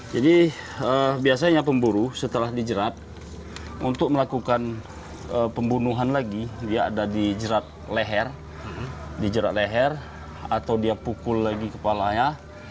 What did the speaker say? jadi biasanya pemburu setelah dijerat untuk melakukan pembunuhan lagi dia ada dijerat leher atau dia pukul lagi kepalanya